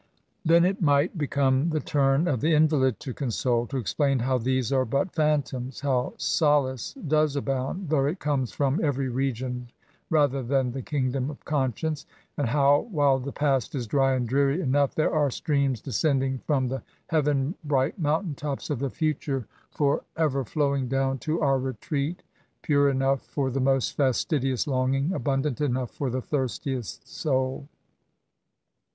Then it might become the turn of the invalid to eansole to explain how these are but phantoms^r how solace does abound, though it comes from every region rather than the kingdom of con science—and how, while the past is dry and dreary enough, there are streams desc^xding from the heaven bright mountain tops of the future, for SYMPATHY TO THE INVALID. 23 ever flowing down to our retreat^ pure enough for the most fastidious longings abundant enough for the thirstiest soul.